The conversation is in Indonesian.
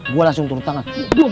gue langsung turun tangan